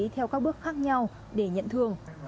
theo các bước khác nhau để nhận thương